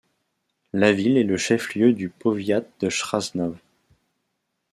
La ville est le chef-lieu du Powiat de Chrzanów.